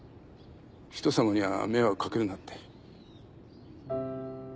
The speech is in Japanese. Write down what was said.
人様には迷惑かけるなって。